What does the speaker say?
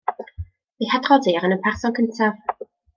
Fe'i hadroddir yn y person cyntaf.